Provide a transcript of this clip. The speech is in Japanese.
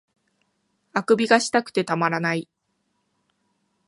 欠伸がしたくてたまらない